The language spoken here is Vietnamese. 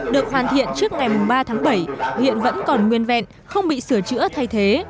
được hoàn thiện trước ngày ba tháng bảy hiện vẫn còn nguyên vẹn không bị sửa chữa thay thế